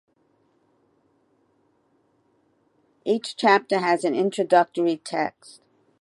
Each chapter has an introductory text.